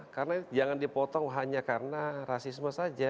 karena jangan dipotong hanya karena rasisme